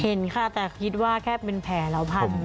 เห็นค่ะแต่คิดว่าแค่เป็นแผลเราพัน